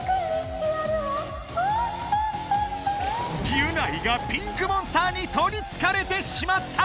ギュナイがピンクモンスターにとりつかれてしまった！